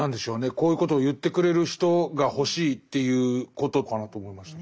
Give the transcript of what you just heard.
こういうことを言ってくれる人が欲しいということかなと思いました。